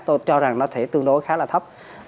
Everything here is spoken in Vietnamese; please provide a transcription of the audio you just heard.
tôi cho rằng nó thể tương đối khá là thấp